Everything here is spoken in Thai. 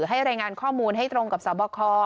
ให้รายงานข้อมูลให้ตรงกับสอบคอ